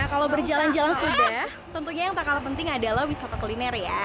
kalau berjalan jalan sudah tentunya yang tak kalah penting adalah wisata kuliner ya